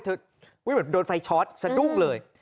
เหมือนโดนไฟช็อตสะดุ้งเลย